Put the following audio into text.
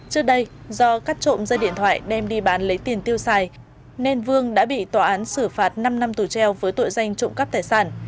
trước đây do cắt trộm dây điện thoại đem đi bán lấy tiền tiêu xài nên vương đã bị tòa án xử phạt năm năm tù treo với tội danh trộm cắp tài sản